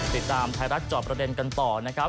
ติดตามไทยรัฐจอบประเด็นกันต่อนะครับ